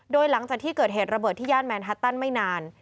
โดยหลังจากที่เกิดเหตุระเบิดที่ย่านแมนฮัตตันไม่นาน